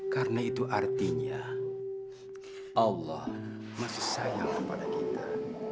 karena itu artinya allah masih sayang kepada kita